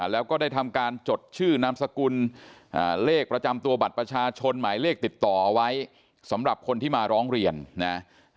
แล้วก็ได้ทำการจดชื่อนามสกุลเลขประจำตัวบัตรประชาชนหมายเลขติดต่อเอาไว้สำหรับคนที่มาร้องเรียนนะ